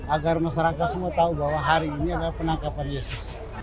agar masyarakat semua tahu bahwa hari ini adalah penangkapan yesus